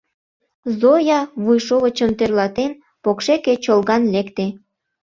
Зоя, вуй шовычшым тӧрлатен, покшеке чолган лекте.